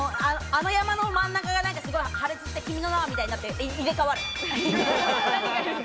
あの山の真ん中が破裂して『君の名は。』みたいになって入れ替わる。